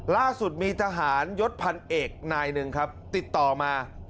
ล่าสุดมีทหารยศพันเอกนายหนึ่งครับติดต่อมา